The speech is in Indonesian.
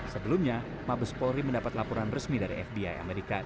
sebelumnya mabes polri mendapat laporan resmi dari fbi amerika